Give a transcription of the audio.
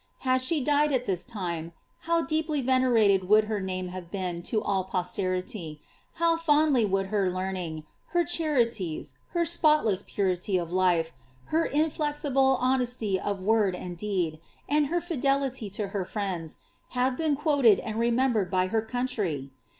Had she died at this time, how deeply venerated would her name have been to all posterity — how fondly would her learning, her chari ties* her spotless purity of life, her inflexible honesty of word and deed, and her fidelity to her friends, have been quoted and remembered by her country